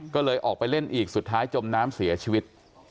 ก็เลยออกไปเล่นอีกสุดท้ายจมน้ำเสียชีวิต